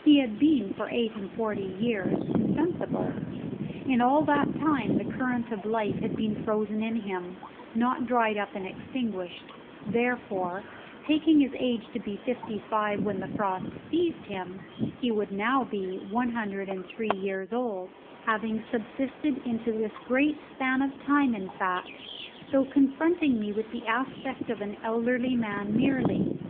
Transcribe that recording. He had been for eight and forty years insensible; in all that time the current of life had been frozen in him, not dried up and extinguished; therefore, taking his age to be fifty five when the frost seized him, he would now be one hundred and three years old, having subsisted into this great span of time in fact, though confronting me with the aspect of an elderly man merely.